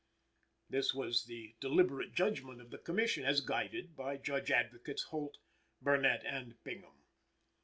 This was the deliberate judgment of the Commission as guided by Judge Advocates Holt, Burnett and Bingham.